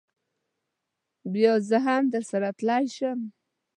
بیا زه هم درسره تللی شم.